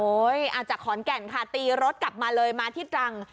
จากขอนแก่นค่ะตีรถกลับมาเลยมาที่ตรัง